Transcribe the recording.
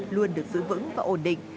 luôn được giữ vững và ổn định